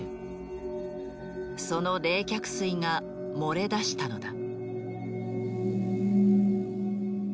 その冷却水が漏れ出したのだ。